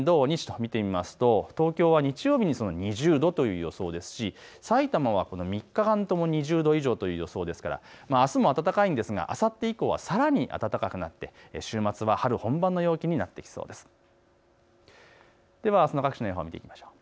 各地の最高気温、金土日と見ていきますと東京は日曜日に２０度という予想ですしさいたまは、３日間とも２０度以上という予想ですから、あすも暖かいんですがあさって以降はさらに暖かくなって週末は春本番の陽気になってきそうです。